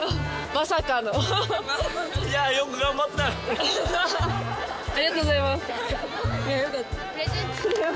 ハハハありがとうございます。